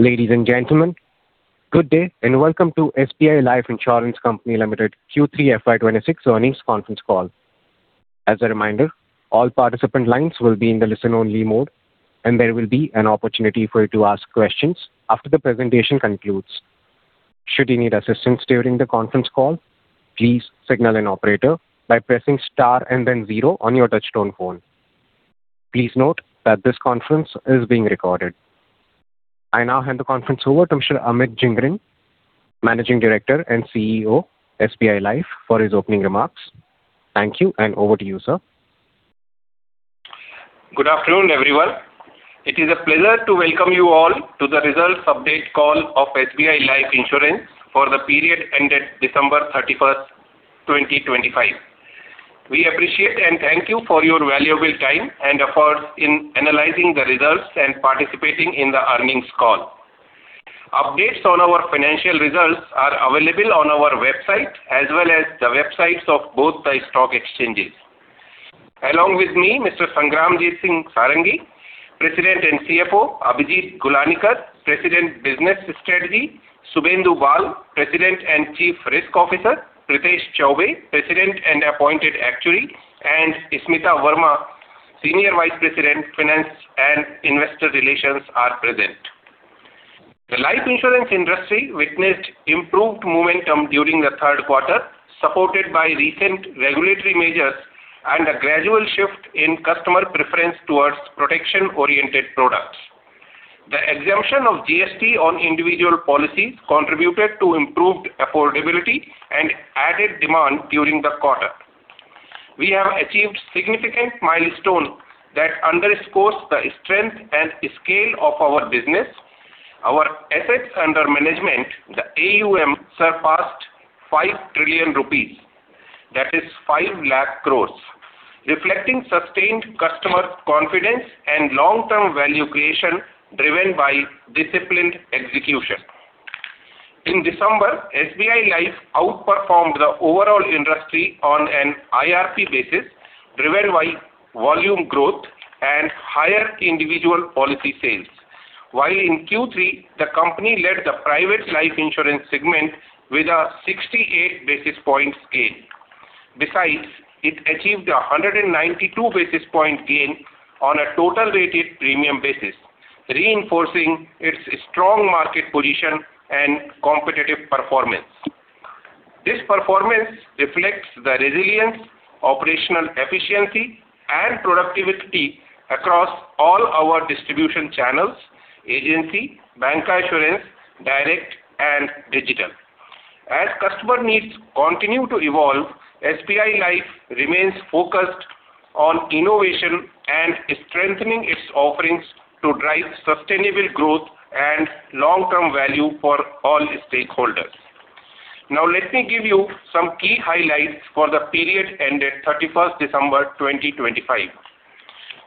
Ladies and gentlemen, good day, and welcome to SBI Life Insurance Company Limited Q3 FY 2026 Earnings Conference Call. As a reminder, all participant lines will be in the listen-only mode, and there will be an opportunity for you to ask questions after the presentation concludes. Should you need assistance during the conference call, please signal an operator by pressing star and then zero on your touchtone phone. Please note that this conference is being recorded. I now hand the conference over to Mr. Amit Jhingran, Managing Director and CEO, SBI Life, for his opening remarks. Thank you, and over to you, sir. Good afternoon, everyone. It is a pleasure to welcome you all to the results update call of SBI Life Insurance for the period ended 31 December 2025. We appreciate and thank you for your valuable time and efforts in analyzing the results and participating in the earnings call. Updates on our financial results are available on our website, as well as the websites of both the stock exchanges. Along with me, Mr. Sangramjit Singh Sarangi, President and CFO, Abhijit Gulanikar, President, Business Strategy, Subhendu Bal, President and Chief Risk Officer, Prithesh Chaubey, President and Appointed Actuary, and Smita Verma, Senior Vice President, Finance and Investor Relations, are present. The life insurance industry witnessed improved momentum during the third quarter, supported by recent regulatory measures and a gradual shift in customer preference towards protection-oriented products. The exemption of GST on individual policies contributed to improved affordability and added demand during the quarter. We have achieved significant milestone that underscores the strength and scale of our business. Our assets under management, the AUM, surpassed 5 trillion rupees. That is 500,000 crore, reflecting sustained customer confidence and long-term value creation driven by disciplined execution. In December, SBI Life outperformed the overall industry on an IRP basis, driven by volume growth and higher individual policy sales. While in Q3, the company led the private life insurance segment with a 68 basis point scale. Besides, it achieved a 192 basis point gain on a total rated premium basis, reinforcing its strong market position and competitive performance. This performance reflects the resilience, operational efficiency, and productivity across all our distribution channels, agency, bancassurance, direct, and digital. As customer needs continue to evolve, SBI Life remains focused on innovation and strengthening its offerings to drive sustainable growth and long-term value for all stakeholders. Now, let me give you some key highlights for the period ended 31 December 2025.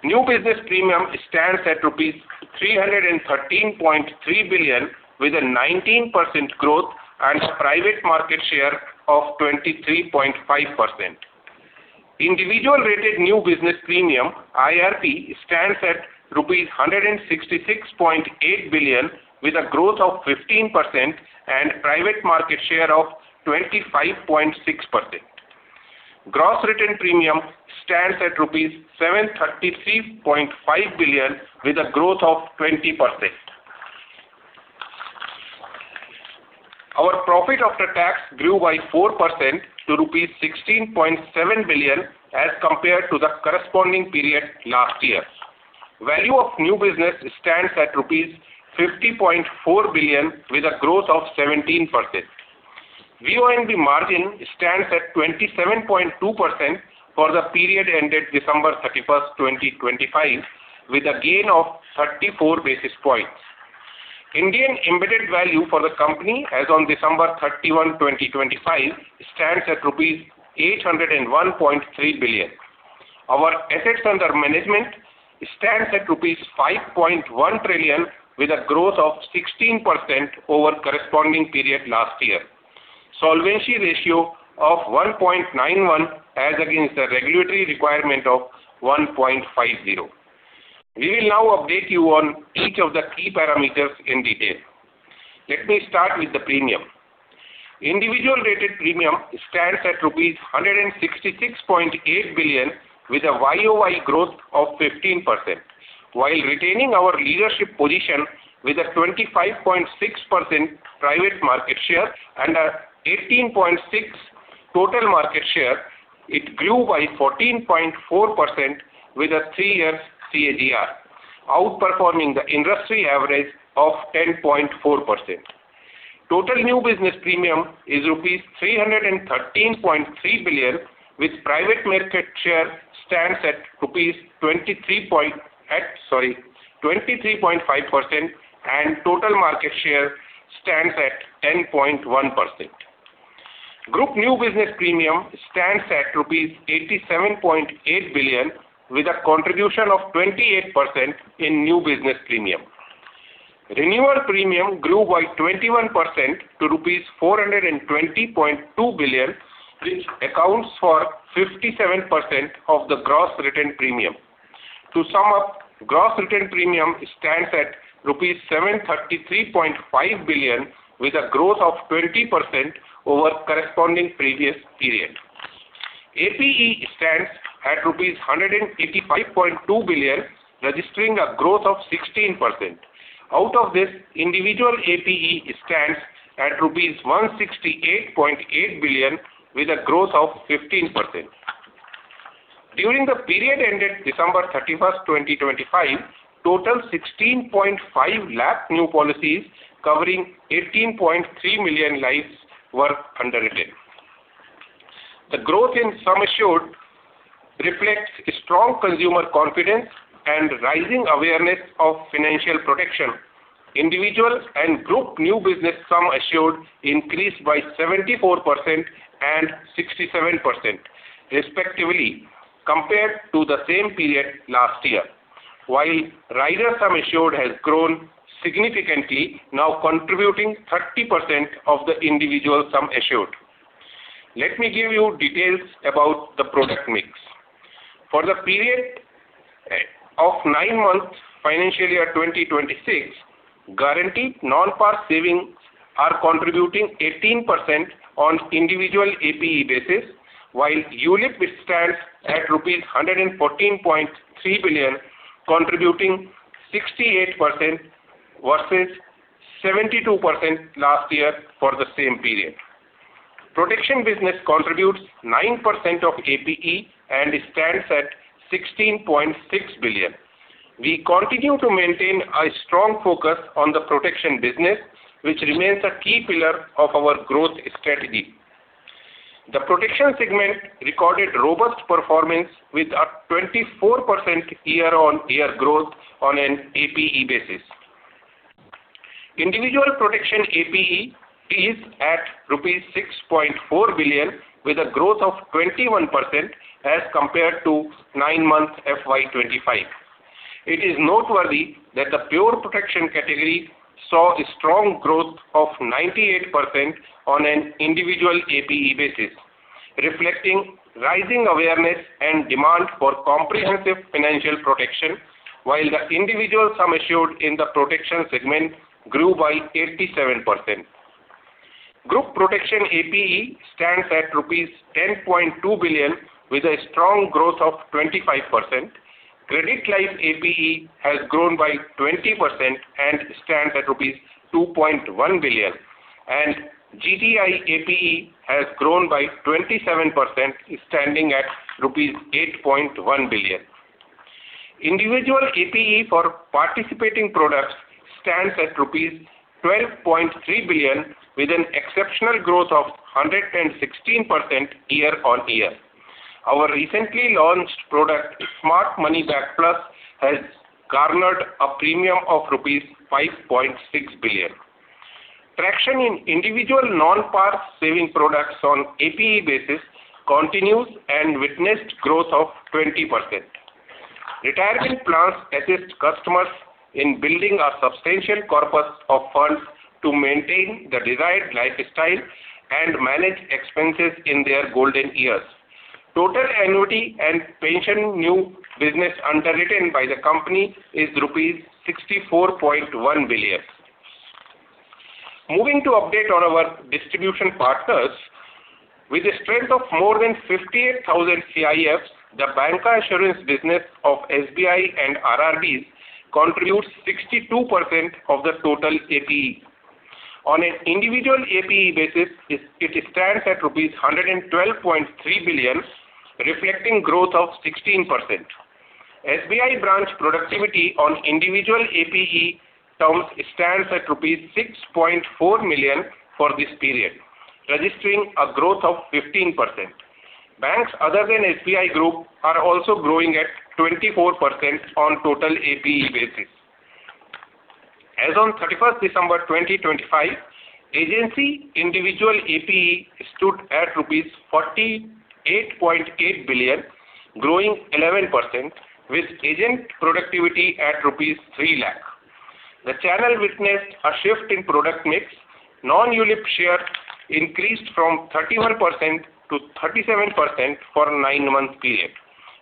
New business premium stands at rupees 313.3 billion, with a 19% growth and a private market share of 23.5%. Individual rated new business premium, IRP, stands at rupees 166.8 billion, with a growth of 15% and private market share of 25.6%. Gross written premium stands at rupees 733.5 billion with a growth of 20%. Our profit after tax grew by 4% to rupees 16.7 billion as compared to the corresponding period last year. Value of new business stands at rupees 50.4 billion with a growth of 17%. VONB margin stands at 27.2% for the period ended 31 December 2025, with a gain of 34 basis points. Indian embedded value for the company as on 31 December 2025, stands at rupees 801.3 billion. Our assets under management stands at rupees 5.1 trillion, with a growth of 16% over corresponding period last year. Solvency ratio of 1.91 as against the regulatory requirement of 1.50. We will now update you on each of the key parameters in detail. Let me start with the premium. Individual rated premium stands at rupees 166.8 billion, with a YOY growth of 15%. While retaining our leadership position with a 25.6% private market share and an 18.6 total market share, it grew by 14.4% with a 3-year CAGR, outperforming the industry average of 10.4%. Total new business premium is rupees 313.3 billion, with private market share stands at 23.5%, sorry, and total market share stands at 10.1%. Group new business premium stands at INR 87.8 billion, with a contribution of 28% in new business premium. Renewal premium grew by 21% to rupees 420.2 billion, which accounts for 57% of the gross written premium. To sum up, gross written premium stands at rupees 733.5 billion, with a growth of 20% over corresponding previous period. APE stands at rupees 185.2 billion, registering a growth of 16%. Out of this, individual APE stands at rupees 168.8 billion, with a growth of 15%. During the period ended 31 December 2025, total 16.5 lakh new policies covering 18.3 million lives were underwritten. The growth in sum assured reflects a strong consumer confidence and rising awareness of financial protection. Individual and group new business sum assured increased by 74% and 67% respectively, compared to the same period last year. While rider sum assured has grown significantly, now contributing 30% of the individual sum assured. Let me give you details about the product mix. For the period of 9 months, financial year 2026, guaranteed non-par savings are contributing 18% on individual APE basis, while ULIP stands at rupees 114.3 billion, contributing 68% versus 72% last year for the same period. Protection business contributes 9% of APE and stands at 16.6 billion. We continue to maintain a strong focus on the protection business, which remains a key pillar of our growth strategy. The protection segment recorded robust performance with a 24% year-on-year growth on an APE basis. Individual protection APE is at rupees 6.4 billion, with a growth of 21% as compared to 9 months FY 2025. It is noteworthy that the pure protection category saw a strong growth of 98% on an individual APE basis, reflecting rising awareness and demand for comprehensive financial protection, while the individual sum assured in the protection segment grew by 87%. Group protection APE stands at rupees 10.2 billion, with a strong growth of 25%. Credit Life APE has grown by 20% and stands at rupees 2.1 billion, and GTI APE has grown by 27%, standing at 8.1 billion rupees. Individual APE for participating products stands at rupees 12.3 billion, with an exceptional growth of 116% year-on-year. Our recently launched product, Smart Money Back Plus, has garnered a premium of rupees 5.6 billion. Traction in individual non-par saving products on APE basis continues and witnessed growth of 20%. Retirement plans assist customers in building a substantial corpus of funds to maintain the desired lifestyle and manage expenses in their golden years. Total annuity and pension new business underwritten by the company is rupees 64.1 billion. Moving to update on our distribution partners. With a strength of more than 58,000 CIFs, the bancassurance business of SBI and RRBs contributes 62% of the total APE. On an individual APE basis, it stands at rupees 112.3 billion, reflecting growth of 16%. SBI branch productivity on individual APE terms stands at rupees 6.4 million for this period, registering a growth of 15%. Banks other than SBI Group are also growing at 24% on total APE basis. As on 31st December 2025, agency individual APE stood at rupees 48.8 billion, growing 11%, with agent productivity at rupees 3 lakh. The channel witnessed a shift in product mix. Non-ULIP share increased from 31% to 37% for nine-month period,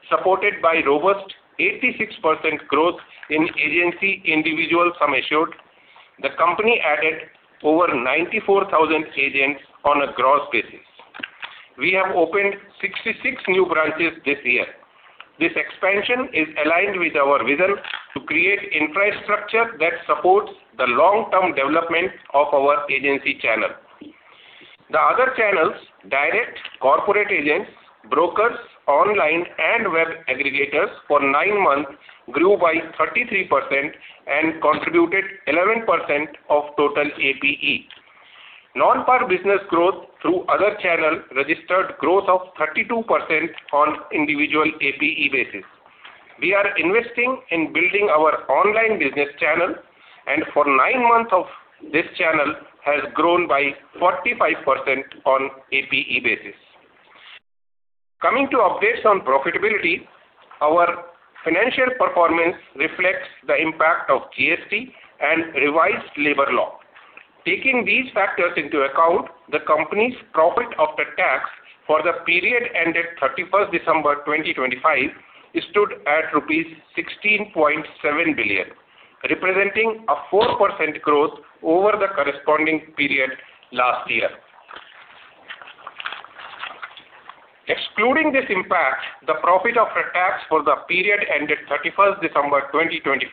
supported by robust 86% growth in agency individual sum assured. The company added over 94,000 agents on a gross basis. We have opened 66 new branches this year. This expansion is aligned with our vision to create infrastructure that supports the long-term development of our agency channel. The other channels, direct corporate agents, brokers, online, and web aggregators for nine months grew by 33% and contributed 11% of total APE. Non-par business growth through other channel registered growth of 32% on individual APE basis. We are investing in building our online business channel, and for 9 months of this channel has grown by 45% on APE basis. Coming to updates on profitability, our financial performance reflects the impact of GST and revised labor law. Taking these factors into account, the company's profit after tax for the period ended thirty-first December 2025, stood at rupees 16.7 billion, representing a 4% growth over the corresponding period last year. Excluding this impact, the profit after tax for the period ended thirty-first December 2025,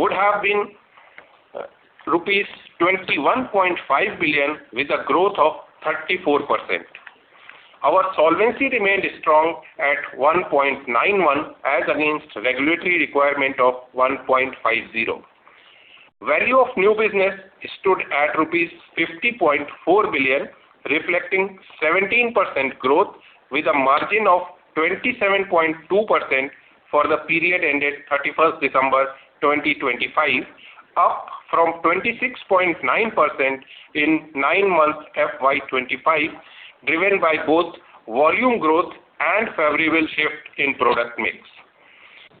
would have been, rupees 21.5 billion with a growth of 34%. Our solvency remained strong at 1.91, as against regulatory requirement of 1.50. Value of new business stood at rupees 50.4 billion, reflecting 17% growth with a margin of 27.2% for the period ended thirty-first December 2025, up from 26.9% in nine months FY 2025, driven by both volume growth and favorable shift in product mix.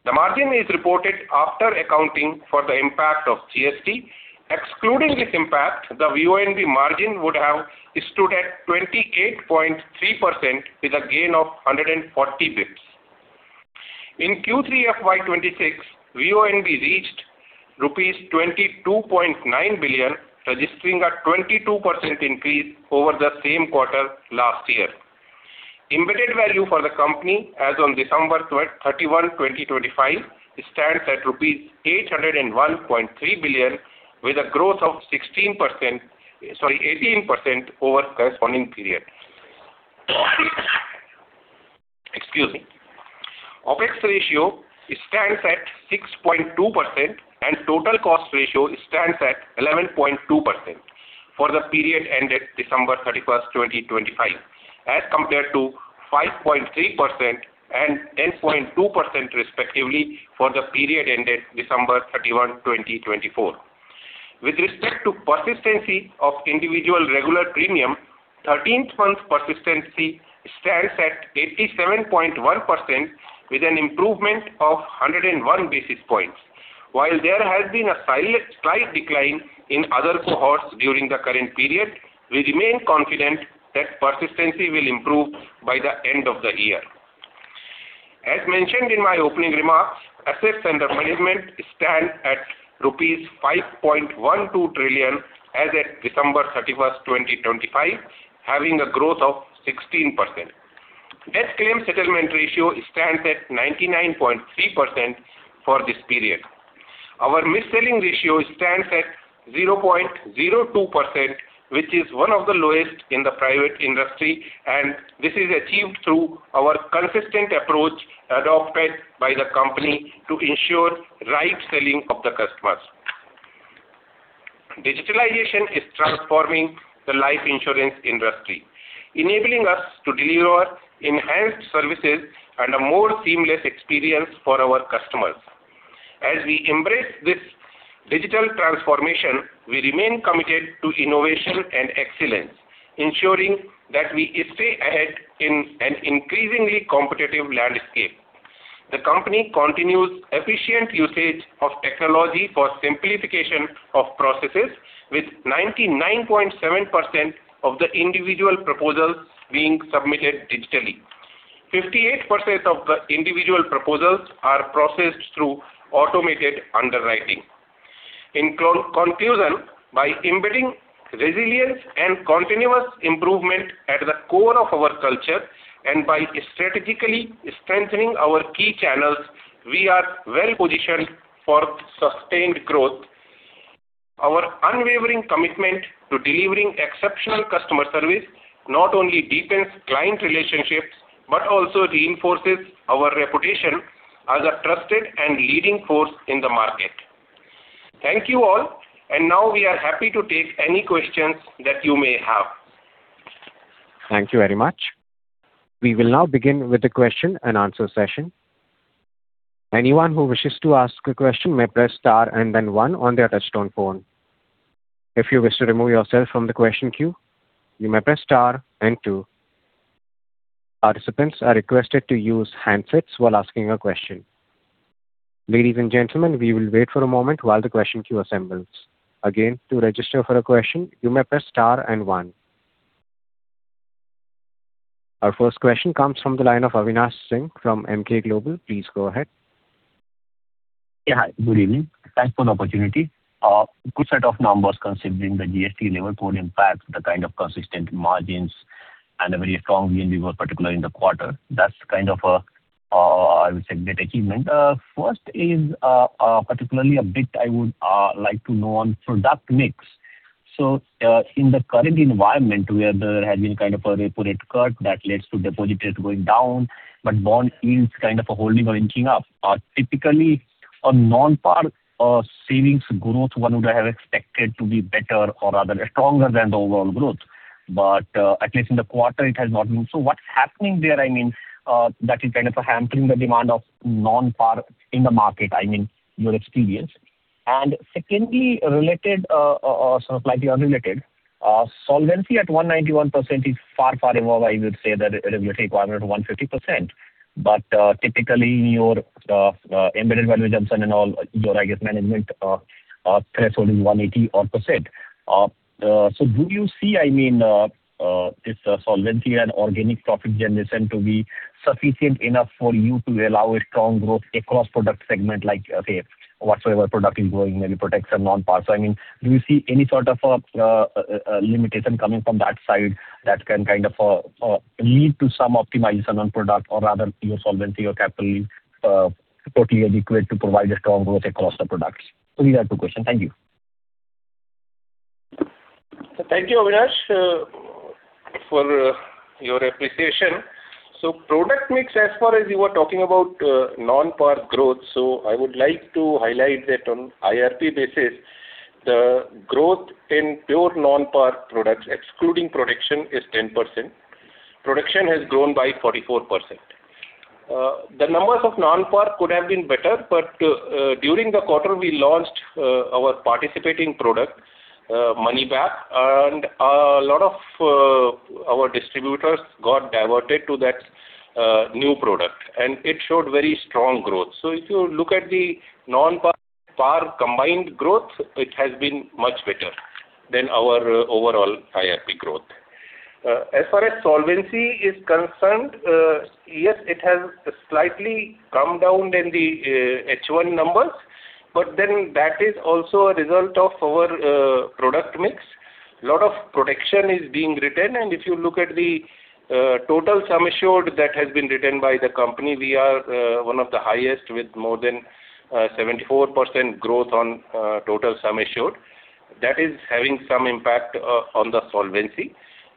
The margin is reported after accounting for the impact of GST. Excluding this impact, the VONB margin would have stood at 28.3% with a gain of 140 basis points. In Q3 FY 2026, VONB reached rupees 22.9 billion, registering a 22% increase over the same quarter last year. Embedded value for the company as on December thirty-one, 2025, stands at rupees 801.3 billion, with a growth of 16%, sorry, 18% over corresponding period. Excuse me. Opex ratio stands at 6.2%, and total cost ratio stands at 11.2% for the period ended 31 December 2025, as compared to 5.3% and 10.2% respectively for the period ended December 31, 2024. With respect to persistency of individual regular premium, 13th month persistency stands at 87.1%, with an improvement of 101 basis points. While there has been a slight decline in other cohorts during the current period, we remain confident that persistency will improve by the end of the year. As mentioned in my opening remarks, assets under management stand at rupees 5.12 trillion as at 31 December 2025, having a growth of 16%. Net claims settlement ratio stands at 99.3% for this period. Our mis-selling ratio stands at 0.02%, which is one of the lowest in the private industry, and this is achieved through our consistent approach adopted by the company to ensure right selling of the customers. Digitalization is transforming the life insurance industry, enabling us to deliver enhanced services and a more seamless experience for our customers. As we embrace this digital transformation, we remain committed to innovation and excellence, ensuring that we stay ahead in an increasingly competitive landscape. The company continues efficient usage of technology for simplification of processes, with 99.7% of the individual proposals being submitted digitally. 58% of the individual proposals are processed through automated underwriting. In conclusion, by embedding resilience and continuous improvement at the core of our culture, and by strategically strengthening our key channels, we are well positioned for sustained growth. Our unwavering commitment to delivering exceptional customer service not only deepens client relationships, but also reinforces our reputation as a trusted and leading force in the market. Thank you, all, and now we are happy to take any questions that you may have. Thank you very much. We will now begin with the Q&A session. Anyone who wishes to ask a question may press star and then one on their touchtone phone. If you wish to remove yourself from the question queue, you may press star and two. Participants are requested to use handsets while asking a question. Ladies and gentlemen, we will wait for a moment while the question queue assembles. Again, to register for a question, you may press star and one. Our first question comes from the line of Avinash Singh from Emkay Global Financial Services. Please go ahead. Yeah, hi. Good evening. Thanks for the opportunity. Good set of numbers, considering the GST level 4 impacts, the kind of consistent margins and a very strong VNB, particularly in the quarter. That's kind of a, I would say, great achievement. First is particularly a bit I would like to know on product mix. So, in the current environment, where there has been kind of a repo rate cut that leads to deposit rate going down, but bond yields kind of holding or inching up, typically a non-par savings growth, one would have expected to be better or rather stronger than the overall growth. But, at least in the quarter, it has not moved. So what's happening there, I mean, that is kind of hampering the demand of non-par in the market, I mean, your experience? Secondly, related or sort of likely unrelated. Solvency at 191% is far, far above, I would say, the regulatory requirement of 150%. But typically in your embedded value and all your, I guess, management threshold is 180-odd%. So do you see, I mean, this solvency and organic profit generation to be sufficient enough for you to allow a strong growth across product segment, like, say, whatsoever product is growing, maybe protection non-par? So I mean, do you see any sort of limitation coming from that side that can kind of lead to some optimization on product or rather your solvency or capital totally adequate to provide a strong growth across the products? So these are two questions. Thank you. Thank you, Avinash, for your appreciation. So product mix, as far as you were talking about, non-par growth, so I would like to highlight that on IRP basis, the growth in pure non-par products, excluding protection, is 10%. Production has grown by 44%. The numbers of non-par could have been better, but during the quarter, we launched our participating product, Money Back, and a lot of our distributors got diverted to that new product, and it showed very strong growth. So if you look at the non-par, par combined growth, it has been much better than our overall IRP growth. As far as solvency is concerned, yes, it has slightly come down than the H1 numbers, but then that is also a result of our product mix. lot of protection is being written, and if you look at the total sum assured that has been written by the company, we are one of the highest, with more than 74% growth on total sum assured. That is having some impact on the solvency.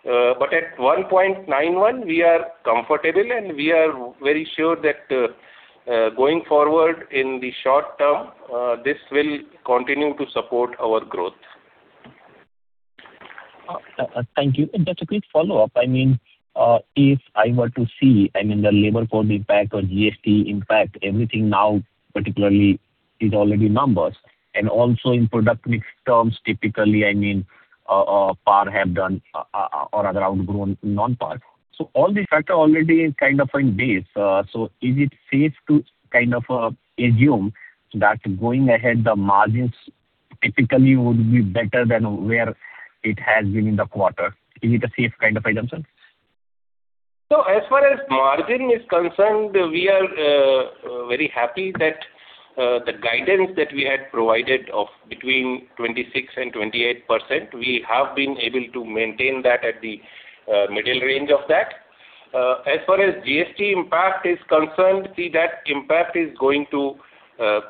But at 1.91, we are comfortable, and we are very sure that going forward in the short term, this will continue to support our growth. Thank you. Just a quick follow-up. I mean, if I were to see, I mean, the labor force impact or GST impact, everything now particularly is already numbers, and also in product mix terms, typically, I mean, par have done or around grown non-par. So all these factor already is kind of in base. So is it safe to kind of assume that going ahead, the margins typically would be better than where it has been in the quarter? Is it a safe kind of assumption? So as far as margin is concerned, we are very happy that the guidance that we had provided of between 26% and 28%, we have been able to maintain that at the middle range of that. As far as GST impact is concerned, see, that impact is going to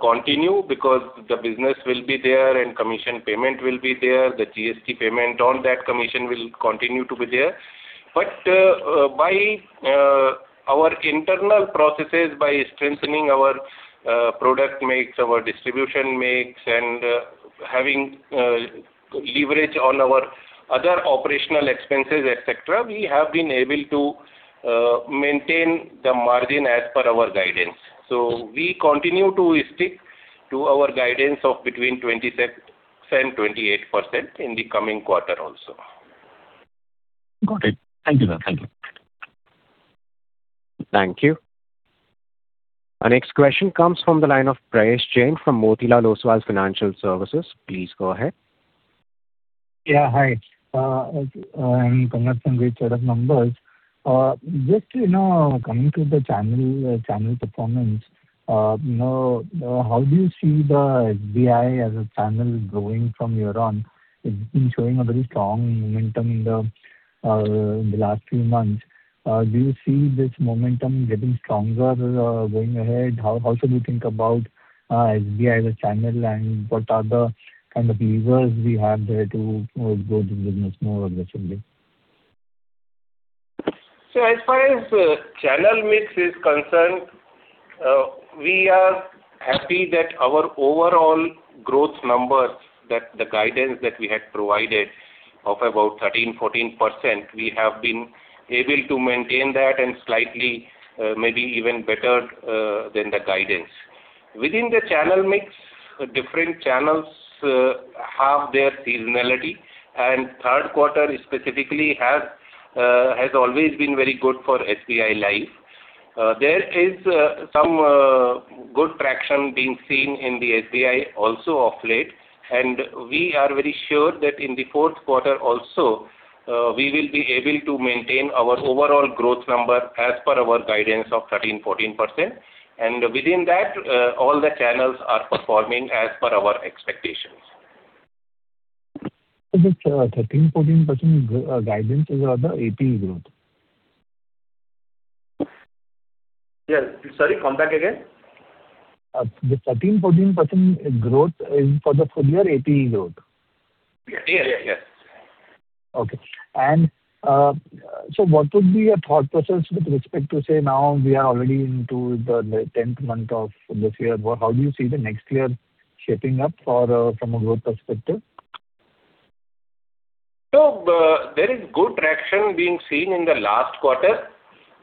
continue because the business will be there and commission payment will be there. The GST payment on that commission will continue to be there. But by our internal processes, by strengthening our product mix, our distribution mix, and having leverage on our other operational expenses, et cetera, we have been able to maintain the margin as per our guidance. So we continue to stick to our guidance of between 27% and 28% in the coming quarter also. Got it. Thank you, sir. Thank you. Thank you. Our next question comes from the line of Prayesh Jain from Motilal Oswal Financial Services. Please go ahead. Yeah, hi. I'm convinced with your numbers. Just, you know, coming to the channel, channel performance, you know, how do you see the SBI as a channel growing from here on? It's been showing a very strong momentum in the, in the last few months. Do you see this momentum getting stronger, going ahead? How, how do you think about, SBI as a channel, and what are the kind of levers we have there to, grow the business more aggressively? So as far as channel mix is concerned, we are happy that our overall growth numbers, that the guidance that we had provided of about 13%-14%, we have been able to maintain that and slightly, maybe even better than the guidance. Within the channel mix, different channels have their seasonality, and third quarter specifically has always been very good for SBI Life. There is some good traction being seen in the SBI also of late, and we are very sure that in the fourth quarter also, we will be able to maintain our overall growth number as per our guidance of 13%-14%. And within that, all the channels are performing as per our expectations. So this 13%-14% growth guidance is on the APE growth? Yes. Sorry, come back again. The 13%-14% growth is for the full year APE growth? Yeah. Yeah, yeah, yes. Okay. So what would be your thought process with respect to, say, now we are already into the tenth month of this year. What, how do you see the next year shaping up for, from a growth perspective? There is good traction being seen in the last quarter.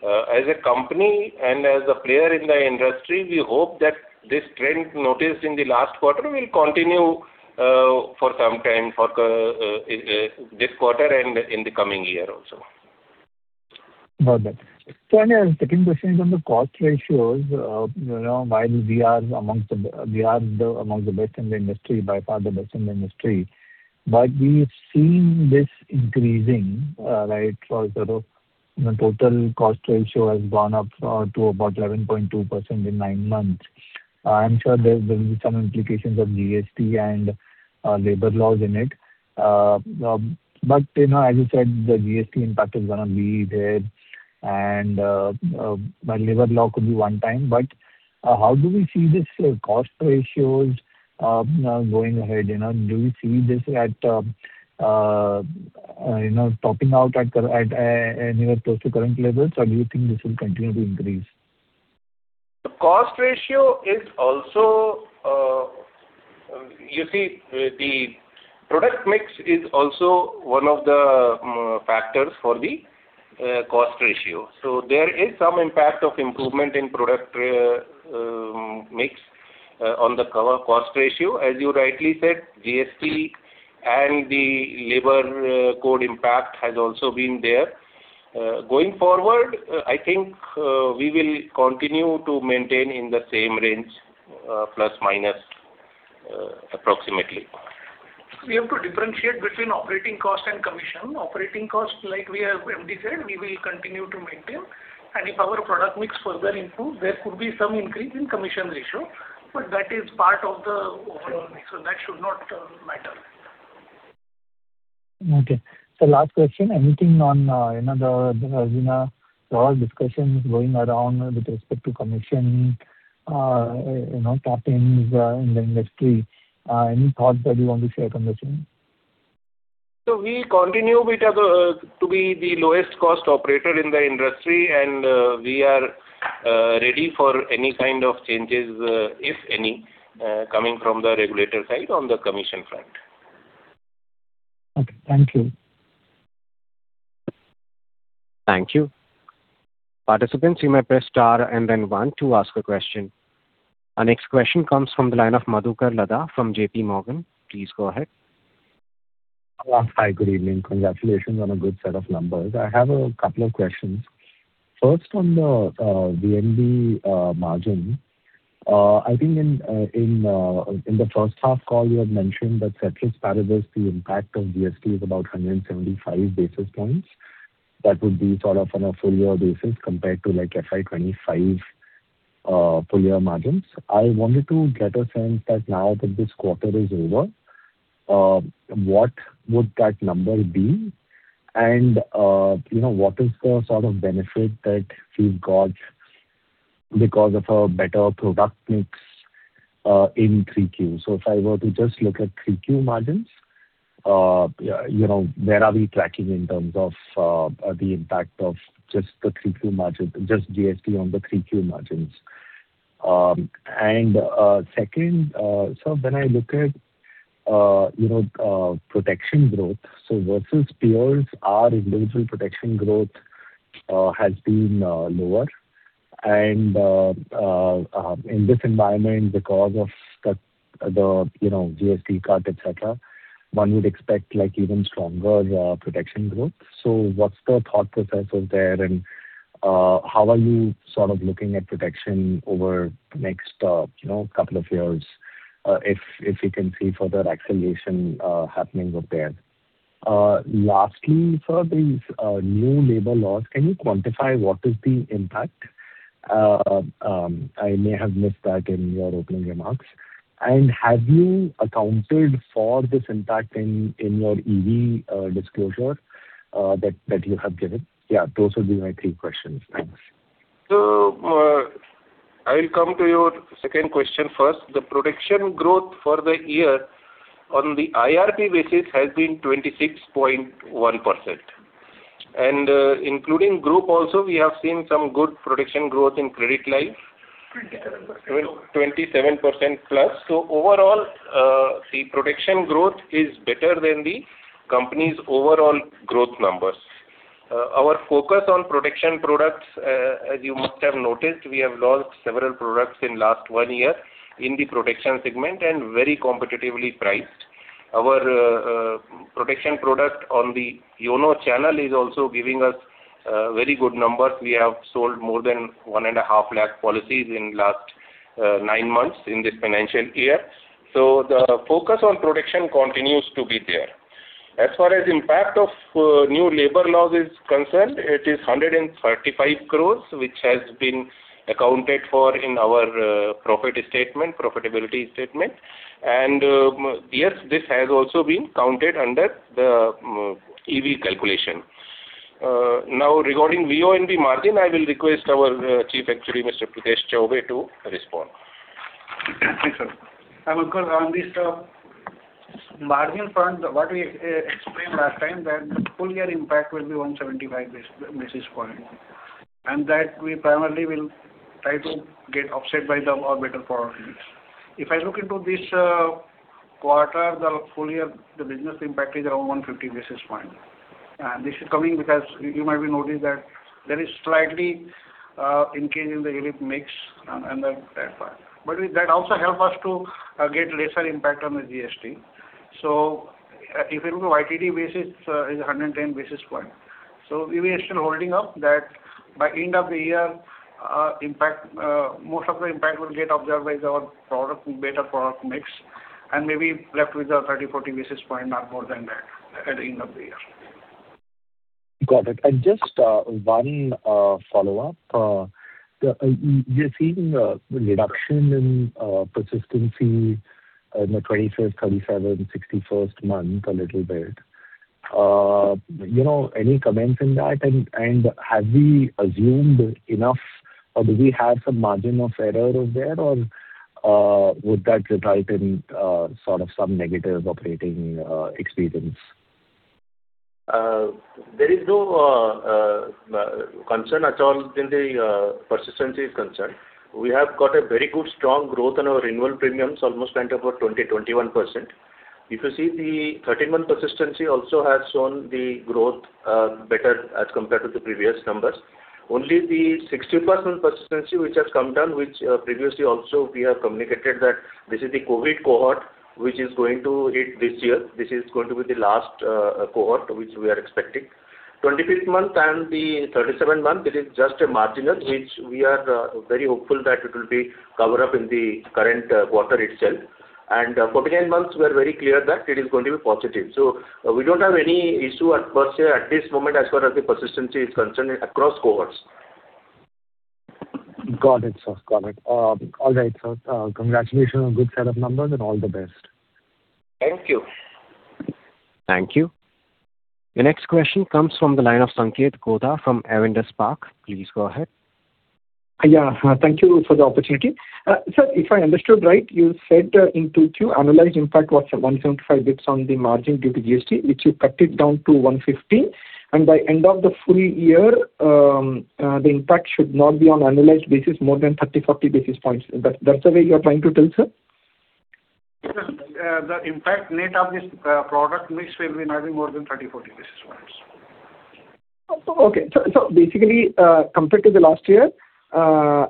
As a company and as a player in the industry, we hope that this trend noticed in the last quarter will continue for some time, for this quarter and in the coming year also. Got that. So my second question is on the cost ratios. You know, while we are amongst the, we are the amongst the best in the industry, by far the best in the industry, but we've seen this increasing, right? For sort of the total cost ratio has gone up to about 11.2% in nine months. I'm sure there, there will be some implications of GST and labor laws in it. But, you know, as you said, the GST impact is gonna be there and, but labor law could be one time. But, how do we see this cost ratios going ahead, you know? Do we see this at, you know, topping out at cur-- at anywhere close to current levels, or do you think this will continue to increase? The cost ratio is also. You see, the product mix is also one of the factors for the cost ratio. So there is some impact of improvement in product mix on the cover cost ratio. As you rightly said, GST and the labor code impact has also been there. Going forward, I think we will continue to maintain in the same range, plus minus, approximately. We have to differentiate between operating cost and commission. Operating cost, like we have already said, we will continue to maintain, and if our product mix further improves, there could be some increase in commission ratio, but that is part of the overall mix, so that should not matter. Okay. So last question: anything on, you know, the, you know, there are discussions going around with respect to commission, you know, toppings, in the industry. Any thoughts that you want to share on this one? So we continue to be the lowest cost operator in the industry, and we are ready for any kind of changes, if any, coming from the regulator side on the commission front. Okay. Thank you. Thank you. Participants, you may press star and then one to ask a question. Our next question comes from the line of Madhukar Ladha from J.P. Morgan. Please go ahead. Hi, good evening. Congratulations on a good set of numbers. I have a couple of questions. First, on the VNB margin. I think in the first half call, you had mentioned that ceteris paribus, the impact of GST is about 175 basis points. That would be sort of on a full year basis, compared to like FY 2025 full year margins. I wanted to get a sense that now that this quarter is over, what would that number be? And you know, what is the sort of benefit that we've got because of a better product mix in 3Q? So if I were to just look at 3Q margins, you know, where are we tracking in terms of the impact of just the 3Q margins, just GST on the 3Q margins? And second, so when I look at you know protection growth, so versus peers, our individual protection growth has been lower. And in this environment, because of the you know GST cut, et cetera, one would expect like even stronger protection growth. So what's the thought process there, and how are you sort of looking at protection over the next you know couple of years, if you can see further acceleration happening out there? Lastly, sir, these new labor laws, can you quantify what is the impact? I may have missed that in your opening remarks. Have you accounted for this impact in your EV disclosure that you have given? Yeah, those will be my three questions. Thanks. So, I'll come to your second question first. The protection growth for the year on the IRP basis has been 26.1%. And, including group also, we have seen some good protection growth in credit life. Twenty-seven percent. 27%+. So overall, the protection growth is better than the company's overall growth numbers. Our focus on protection products, as you must have noticed, we have launched several products in last one year in the protection segment and very competitively priced. Our protection product on the YONO channel is also giving us very good numbers. We have sold more than 1.5 lakh policies in last 9 months in this financial year. So the focus on protection continues to be there. As far as impact of new labor law is concerned, it is 135 crore, which has been accounted for in our profit statement, profitability statement. Yes, this has also been counted under the EV calculation. Now, regarding VONB margin, I will request our Chief Actuary, Mr. Prithesh Chaubey, to respond. Thank you, sir. I would call on this margin front, what we explained last time, that the full year impact will be 175 basis points, and that we primarily will try to get offset by the more better product mix. If I look into this quarter, the full year, the business impact is around 150 basis points. And this is coming because you, you might be noticed that there is slightly increase in the ULIP mix and that, that part. But that also help us to get lesser impact on the GST. So if you look at YTD basis, is 110 basis points. We are still holding up that by end of the year, impact, most of the impact will get observed by our product, better product mix, and maybe left with a 30-40 basis point, not more than that, at the end of the year. Got it. Just one follow-up. The reduction you're seeing in persistency in the 21st, 37th, 61st month a little bit. You know, any comments in that? And have we assumed enough or do we have some margin of error over there, or would that result in sort of some negative operating experience? There is no concern at all in the persistency is concerned. We have got a very good strong growth in our renewal premiums, almost around about 20-21%. If you see, the 13-month persistency also has shown the growth, better as compared to the previous numbers. Only the 61-month persistency which has come down, which, previously also we have communicated that this is the COVID cohort which is going to hit this year. This is going to be the last, cohort which we are expecting. 25th month and the 37-month, it is just a marginal, which we are, very hopeful that it will be cover up in the current, quarter itself. And 49 months, we are very clear that it is going to be positive. We don't have any issue at first year at this moment as far as the persistency is concerned across cohorts. Got it, sir. Got it. All right, sir, congratulations on good set of numbers and all the best. Thank you. Thank you. The next question comes from the line of Sanket Godha from Avendus Spark. Please go ahead. Yeah, thank you for the opportunity. Sir, if I understood right, you said in 2Q, annualized impact was 175 basis points on the margin due to GST, which you cut it down to 115, and by end of the full year, the impact should not be on annualized basis, more than 30-40 basis points. That's the way you are trying to tell, sir? Yes, the impact net of this product mix will be nothing more than 30-40 basis points. Okay. So, basically, compared to the last year, I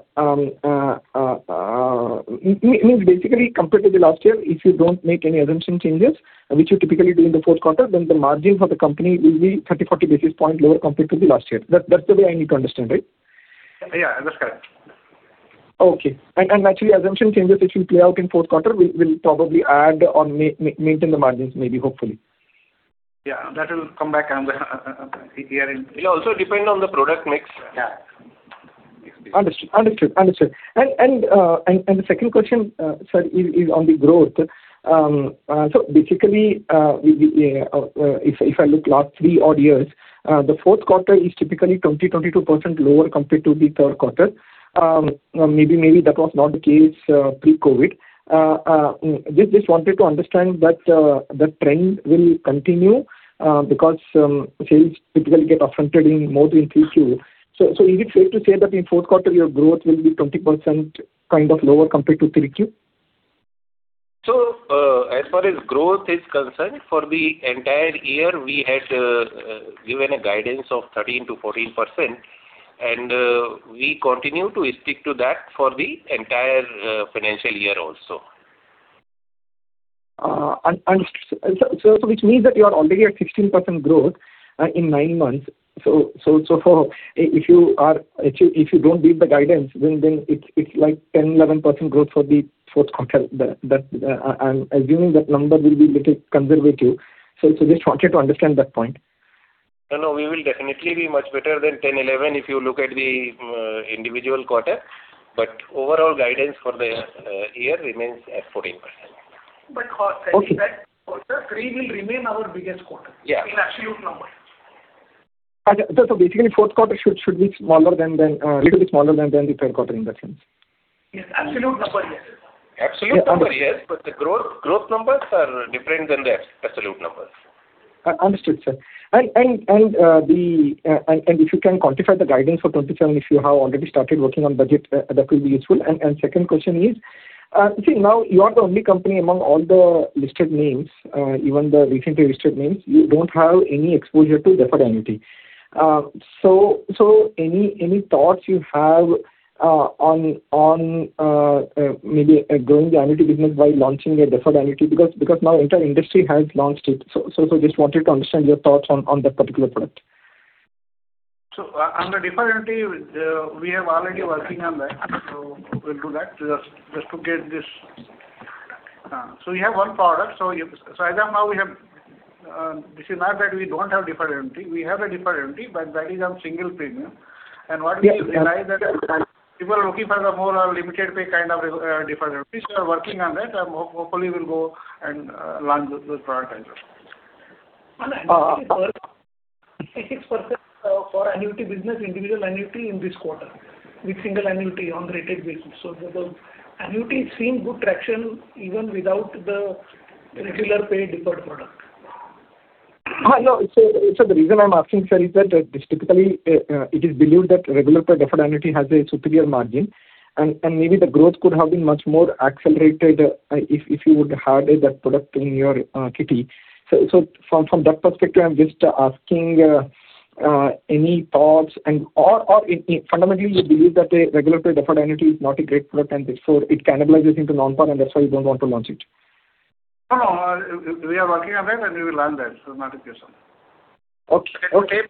mean, basically, compared to the last year, if you don't make any assumption changes, which you typically do in the fourth quarter, then the margins for the company will be 30-40 basis points lower compared to the last year. That's the way I need to understand, right? Yeah, that's correct. Okay. Actually, assumption changes which will play out in fourth quarter will probably add on maintain the margins, maybe, hopefully. Yeah, that will come back. It also depends on the product mix. Yeah. Understood. Understood. Understood. And the second question, sir, is on the growth. So basically, if I look last three odd years, the fourth quarter is typically 22% lower compared to the third quarter. Maybe that was not the case pre-COVID. Just wanted to understand that trend will continue, because sales typically get upfronted in more than three Q. So is it safe to say that in fourth quarter, your growth will be 20% kind of lower compared to three Q? As far as growth is concerned, for the entire year, we had given a guidance of 13%-14%, and we continue to stick to that for the entire financial year also. So, which means that you are already at 16% growth in nine months. So, if you don't beat the guidance, then it's like 10-11% growth for the fourth quarter. That, I'm assuming that number will be little conservative. So just wanted to understand that point. No, no, we will definitely be much better than 10, 11, if you look at the individual quarter. But overall guidance for the year remains at 14%. But. Okay. Sir, three will remain our biggest quarter- Yeah. in absolute number. So basically, fourth quarter should, should be smaller than, than, little bit smaller than, than the third quarter, in that sense? Yes, absolute number, yes. Absolute number, yes, but the growth, growth numbers are different than the absolute numbers. Understood, sir. If you can quantify the guidance for 27, if you have already started working on budget, that will be useful. Second question is, now you are the only company among all the listed names, even the recently listed names, you don't have any exposure to Deferred Annuity. So any thoughts you have on maybe growing the annuity business by launching a Deferred Annuity? Because now entire industry has launched it. So just wanted to understand your thoughts on that particular product. So on the Deferred Annuity, we are already working on that. So we'll do that just to get this... So we have one product. So as of now, we have, this is not that we don't have Deferred Annuity. We have a Deferred Annuity, but that is on single premium. Yes. What we realize that people are looking for the more limited pay kind of deferred annuity. We are working on that, and hopefully we'll go and launch those product as well. I think 6% for annuity business, individual annuity in this quarter, with single annuity on retail basis. The annuity is seeing good traction even without the regular paid deferred product. Hi, no. So, so the reason I'm asking, sir, is that, just typically, it is believed that regular paid Deferred Annuity has a superior margin, and, and maybe the growth could have been much more accelerated, if, if you would have had that product in your kitty. So, so from, from that perspective, I'm just asking, any thoughts and – or, fundamentally, you believe that a regular paid Deferred Annuity is not a great product, and therefore it cannibalizes into Non-par, and that's why you don't want to launch it. No, no, we are working on it, and we will learn that. So not the case. Okay. Okay.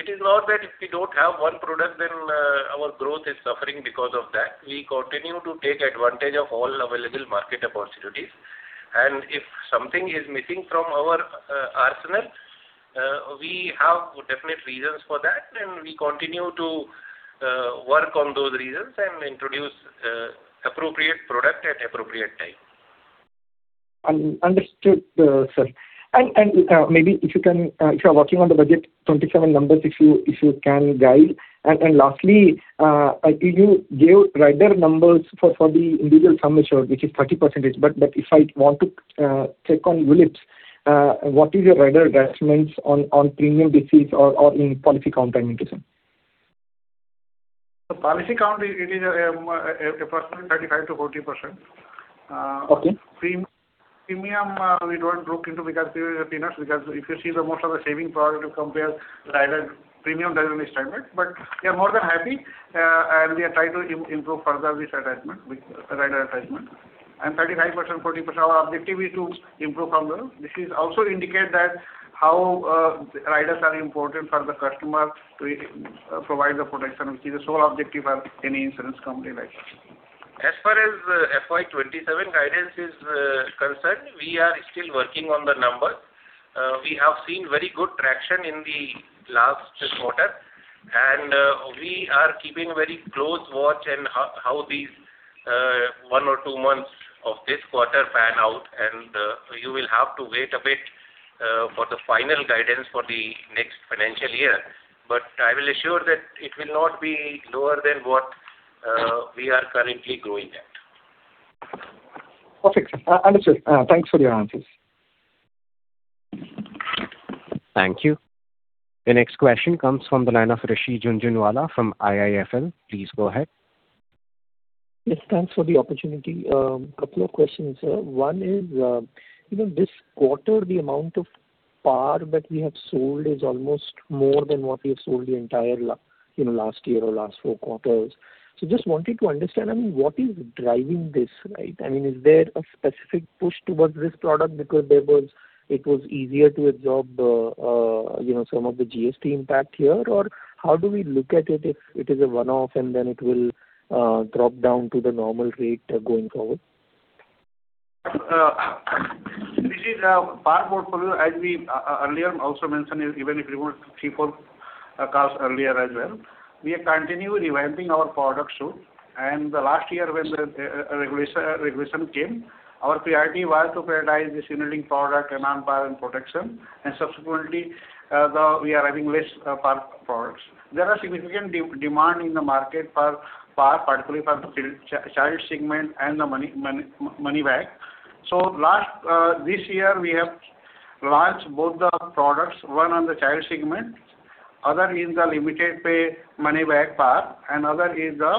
It is not that if we don't have one product, then our growth is suffering because of that. We continue to take advantage of all available market opportunities. And if something is missing from our arsenal, we have definite reasons for that, and we continue to work on those reasons and introduce appropriate product at appropriate time. Understood, sir. And maybe if you can, if you are working on the budget 2027 numbers, if you can guide. And lastly, can you give rider numbers for the individual term assurance, which is 30%? But if I want to check on ULIPs, what is your rider attachments on premium basis or in policy count communication? The policy count is approximately 35%-40%. Okay. Premium, we don't look into because premium is a peanuts, because if you see the most of the saving product, you compare rider premium that is only standard. But we are more than happy, and we are trying to improve further this attachment, with rider attachment. And 35%, 40%, our objective is to improve from there. This is also indicate that how, riders are important for the customer to, provide the protection, which is the sole objective of any insurance company like that. As far as, FY 2027 guidance is, concerned, we are still working on the numbers. We have seen very good traction in the last quarter, and we are keeping very close watch on how these one or two months of this quarter pan out, and you will have to wait a bit for the final guidance for the next financial year. But I will assure that it will not be lower than what we are currently growing at. Perfect. Understood. Thanks for your answers. Thank you. The next question comes from the line of Rishi Jhunjhunwala from IIFL. Please go ahead. Yes, thanks for the opportunity. Couple of questions, sir. One is, you know, this quarter, the amount of par that we have sold is almost more than what we have sold the entire last year or last four quarters. So just wanted to understand, I mean, what is driving this, right? I mean, is there a specific push towards this product because it was easier to absorb, you know, some of the GST impact here? Or how do we look at it, if it is a one-off and then it will ROP down to the normal rate going forward? This is par portfolio, as we earlier also mentioned, even if you want 3, 4 calls earlier as well. We are continually revamping our product suite, and last year when the regulation came, our priority was to prioritize the savings product and non-par and protection, and subsequently we are having less par products. There is significant demand in the market for par, particularly for the child segment and the money-back. So last this year, we have launched both the products, one on the child segment, other is the limited pay money back par, and other is the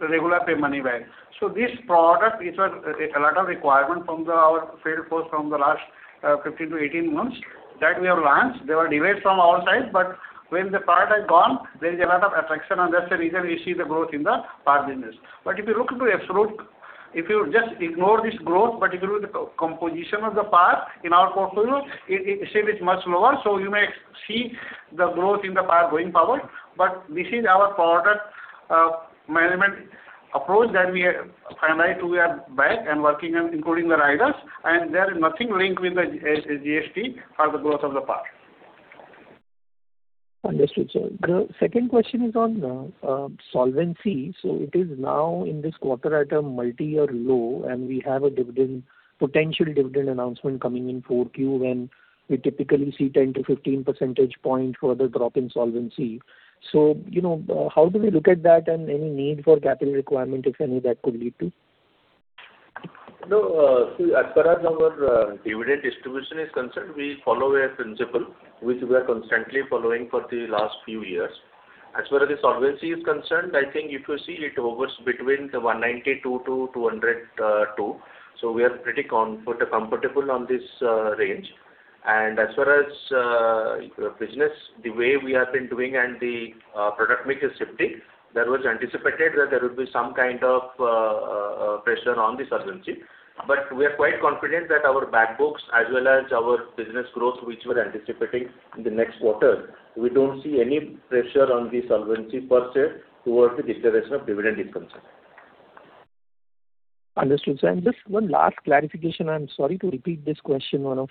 regular pay money back. So this product is a lot of requirement from our sales force from the last 15 to 18 months, that we have launched. There were demands from all sides, but when the product has gone, there is a lot of traction, and that's the reason we see the growth in the par business. But if you look into absolute, if you just ignore this growth, but if you look at the composition of the par in our portfolio, it still is much lower. So you may see the growth in the par going forward, but this is our product management approach that we are finally to we are back and working on including the riders, and there is nothing linked with the GST for the growth of the par. Understood, sir. The second question is on solvency. So it is now in this quarter at a multi-year low, and we have a potential dividend announcement coming in Q4, when we typically see 10-15 percentage point for the ROP in solvency. So, you know, how do we look at that, and any need for capital requirement, if any, that could lead to? No, as far as our dividend distribution is concerned, we follow a principle which we are constantly following for the last few years. As far as the solvency is concerned, I think if you see, it hovers between 192-202. So we are pretty comfortable on this range. And as far as business, the way we have been doing and the product mix is shifting, that was anticipated that there would be some kind of pressure on the solvency. But we are quite confident that our backlogs as well as our business growth, which we're anticipating in the next quarter, we don't see any pressure on the solvency per se, towards the declaration of dividend is concerned. Understood, sir. And just one last clarification, I'm sorry to repeat this question, one of,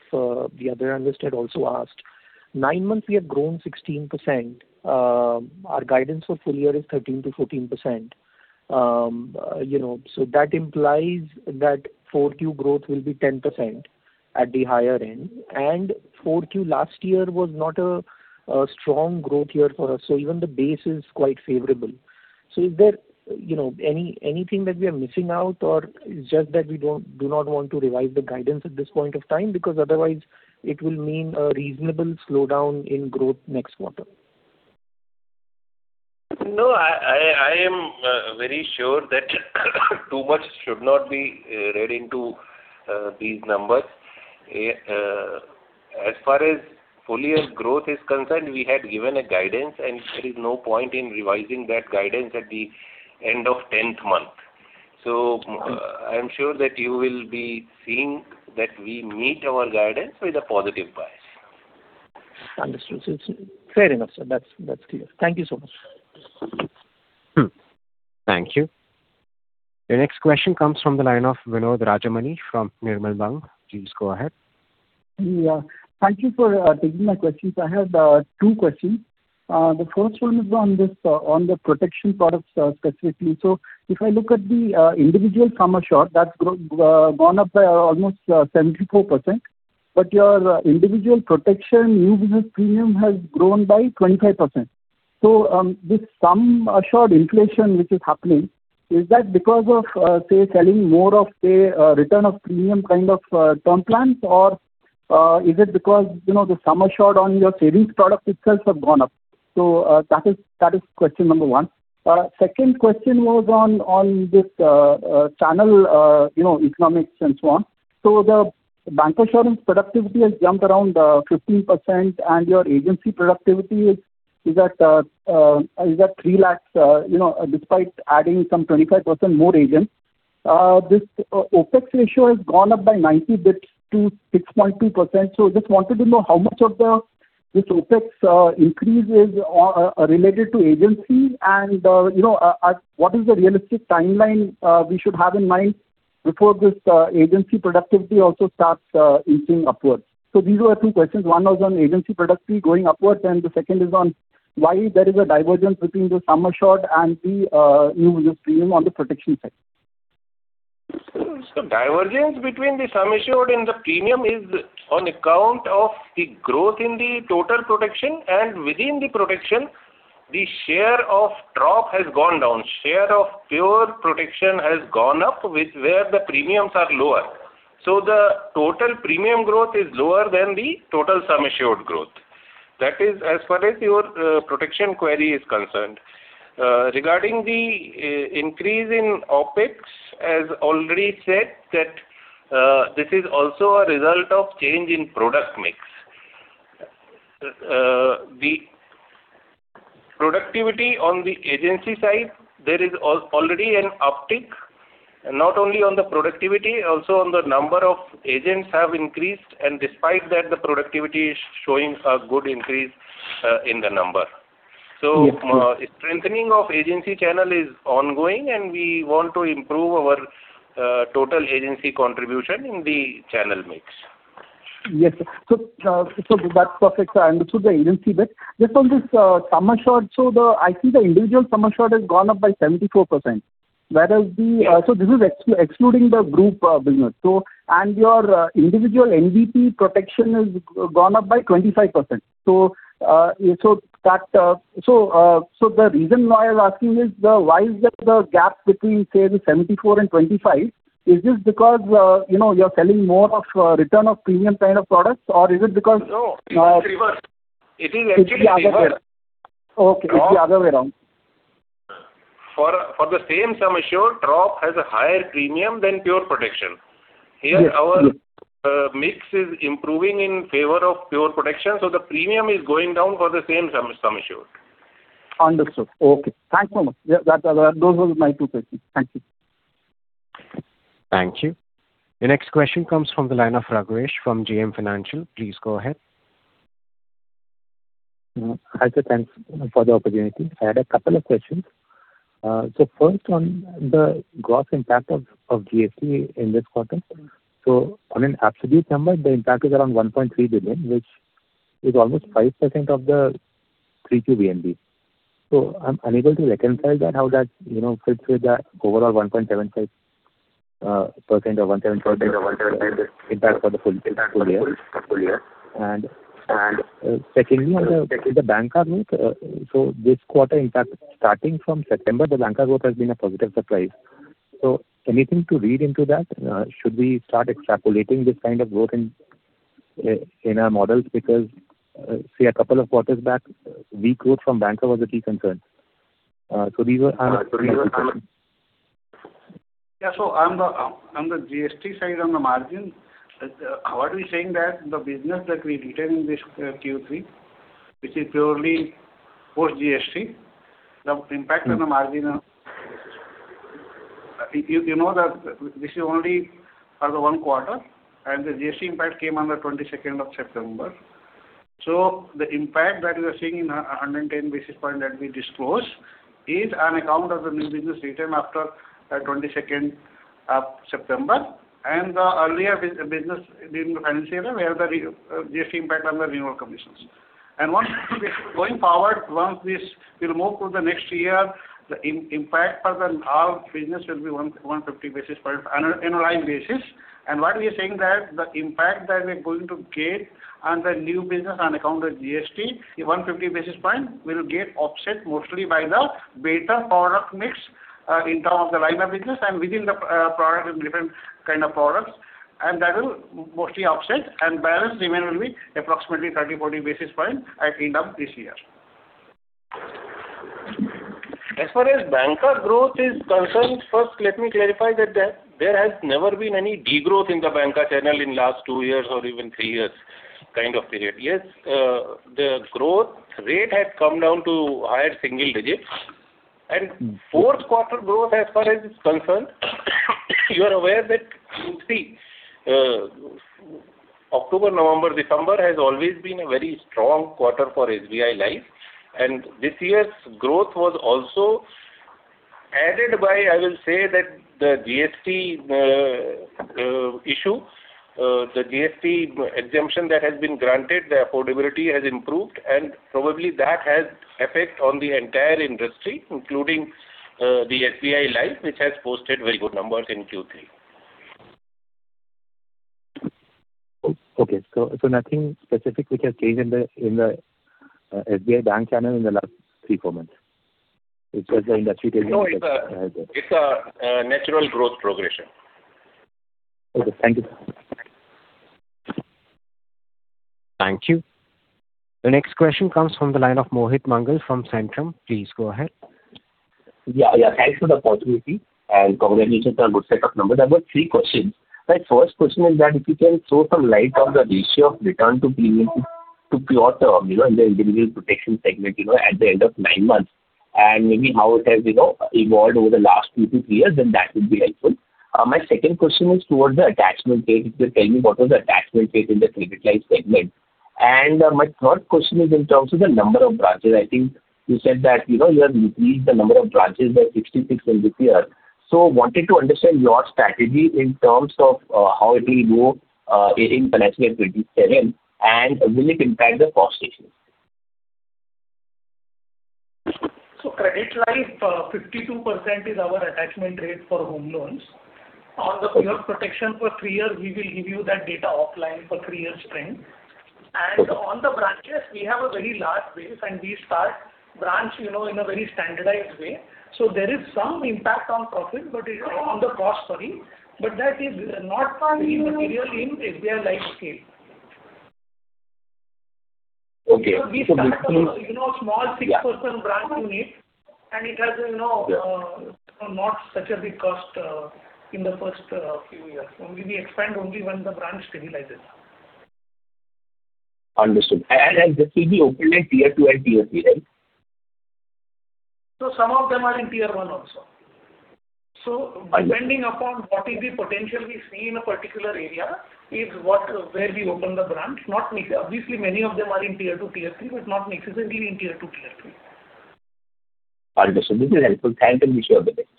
the other analysts had also asked. Nine months, we have grown 16%. Our guidance for full year is 13%-14%. You know, so that implies that Q4 growth will be 10% at the higher end. And Q4 last year was not a, a strong growth year for us, so even the base is quite favorable. So is there, you know, any, anything that we are missing out, or it's just that we don't, do not want to revise the guidance at this point of time? Because otherwise it will mean a reasonable slowdown in growth next quarter. No, I am very sure that too much should not be read into these numbers. As far as full year growth is concerned, we had given a guidance, and there is no point in revising that guidance at the end of tenth month. So, I am sure that you will be seeing that we meet our guidance with a positive bias. Understood. So it's fair enough, sir. That's, that's clear. Thank you so much. Thank you. The next question comes from the line of Vinod Rajamani from Nirmal Bang. Please go ahead. Yeah. Thank you for taking my questions. I have two questions. The first one is on this, on the protection products, specifically. So if I look at the individual sum assured, that's grown up by almost 74%, but your individual protection new business premium has grown by 25%. So, this sum assured inflation which is happening, is that because of, say, selling more of a return of premium kind of term plans, or, is it because, you know, the sum assured on your series products itself have gone up? So, that is, that is question number one. Second question was on, on this, channel, you know, economics and so on. So the bank insurance productivity has jumped around 15%, and your agency productivity is at 3 lakh, you know, despite adding some 25% more agents. This OPEX ratio has gone up by 90 basis points to 6.2%. So just wanted to know how much of this OPEX increase is related to agency and, you know, at what is the realistic timeline we should have in mind before this agency productivity also starts inching upwards? So these were two questions. One was on agency productivity going upwards, and the second is on why there is a divergence between the sum assured and the new business premium on the protection side. The divergence between the sum assured and the premium is on account of the growth in the total protection, and within the protection, the share of ROP has gone down. Share of pure protection has gone up, which where the premiums are lower. So the total premium growth is lower than the total sum assured growth. That is as far as your protection query is concerned. Regarding the increase in OpEx, as already said, that this is also a result of change in product mix. The productivity on the agency side, there is already an uptick, not only on the productivity, also on the number of agents have increased, and despite that, the productivity is showing a good increase in the number. Yes, sir. Strengthening of agency channel is ongoing, and we want to improve our total agency contribution in the channel mix. Yes, sir. So, so that's perfect, sir, and also the agency bit. Just on this, sum assured, so the—I see the individual sum assured has gone up by 74%, whereas the... So this is excluding the group business. So, and your individual NBP protection has gone up by 25%. So, so that, so, so the reason why I was asking is the, why is there the gap between, say, the 74 and 25? Is this because, you know, you're selling more of, return of premium kind of products, or is it because- No, it's reverse. It is actually reverse. Okay, it's the other way around. For the same sum assured, ROP has a higher premium than pure protection. Yes. Here, our mix is improving in favor of pure protection, so the premium is going down for the same sum assured. Understood. Okay, thanks so much. Yeah, that, those were my two questions. Thank you. Thank you. The next question comes from the line of Raghavesh from JM Financial. Please go ahead. Hi, sir. Thanks for the opportunity. I had a couple of questions. So first, on the gross impact of GST in this quarter. So on an absolute number, the impact is around 1.3 billion, which is almost 5% of the Q3 VNB. So I'm unable to reconcile that, how that, you know, fits with the overall 1.75% or 1.7% impact for the full year. And secondly, on the Banca route, so this quarter, in fact, starting from September, the Banca route has been a positive surprise. So anything to read into that? Should we start extrapolating this kind of growth in our models? Because, say, a couple of quarters back, weak growth from Banca was a key concern. So these were our Yeah, so on the GST side, on the margin, what we are saying that the business that we retained in this Q3, which is purely post GST, the impact on the margin of. You know that this is only for the one quarter, and the GST impact came on the twenty-second of September. So the impact that you are seeing in 110 basis points that we disclose is on account of the new business retained after the twenty-second of September, and the earlier business during the financial year, we have the GST impact on the renewal commissions. And once going forward, once this will move to the next year, the impact for the all business will be 150 basis points on an annualized basis. What we are saying that the impact that we're going to get on the new business on account of GST, the 150 basis points will get offset mostly by the better product mix in terms of the rider business and within the product and different kind of products, and that will mostly offset, and balance remain will be approximately 30-40 basis points at end of this year. As far as Bancassurance growth is concerned, first, let me clarify that there has never been any degrowth in the Bancassurance channel in last two years or even three years kind of period. Yes, the growth rate has come down to higher single digits, and fourth quarter growth, as far as it's concerned, you are aware that in Q3, October, November, December has always been a very strong quarter for SBI Life, and this year's growth was also added by, I will say, that the GST issue, the GST exemption that has been granted, the affordability has improved, and probably that has effect on the entire industry, including, the SBI Life, which has posted very good numbers in Q3. Okay. So nothing specific which has changed in the SBI Bank channel in the last 3-4 months? It's just the industry changing No, it's a natural growth progression. Okay, thank you. Thank you. The next question comes from the line of Mohit Mangal from Centrum. Please go ahead. Yeah, yeah, thanks for the opportunity, and congratulations on good set of numbers. I've got three questions. My first question is that if you can throw some light on the ratio of return to premium to pure term, you know, in the individual protection segment, you know, at the end of 9 months, and maybe how it has, you know, evolved over the last 2 to 3 years, then that would be helpful. My second question is towards the attachment rate. Just tell me, what was the attachment rate in the credit life segment? And my third question is in terms of the number of branches. I think you said that, you know, you have increased the number of branches by 66 in this year. Wanted to understand your strategy in terms of how it will go in financial 27, and will it impact the cost structure? So credit life, 52% is our attachment rate for home loans. On the pure protection for three years, we will give you that data offline for three years trend. And on the branches, we have a very large base, and we start branch, you know, in a very standardized way. So there is some impact on profit, but it- Right. On the cost, sorry, but that is not material in SBI Life scale. Okay. We start, you know, small six-person branch unit, and it has, you know, Yeah not such a big cost, in the first, few years. We, we expand only when the branch stabilizes. Understood. And this will be opened in Tier two and Tier three, right? So some of them are in Tier 1 also. So depending upon what is the potential we see in a particular area, is what where we open the branch. Not necessarily, obviously, many of them are in Tier 2, Tier 3, but not necessarily in Tier 2, Tier 3. Understood. This is helpful. Thank you. Wish you all the best.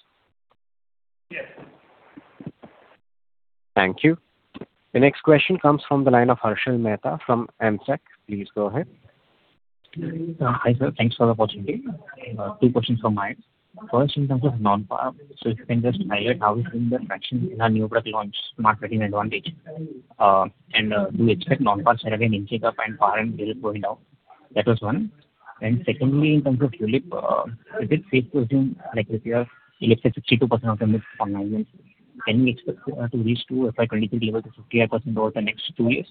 Yes. Thank you. The next question comes from the line of Harshal Mehta from Antique Stock Broking. Please go ahead. Hi, sir. Thanks for the opportunity. Two questions from my end. First, in terms of non-par, so if you can just highlight how is doing the traction in our new product launch, Smart Platina Advantage, and do you expect non-par product to increase the proportion of par and will going down? That was one. And secondly, in terms of ULIP, is it safe to assume, like if you have ULIP at 62% of the fund value, can we expect to reach to if I continue to deliver to 58% over the next two years,